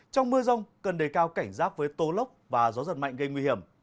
trong mưa rông cần đề cao cảnh giáp với tố lốc và gió giật mạnh gây nguy hiểm